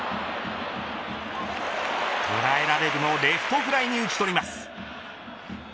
捉えられるもレフトフライに打ち取ります。